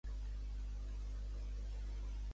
La meva mare es diu Janat Gimeno: ge, i, ema, e, ena, o.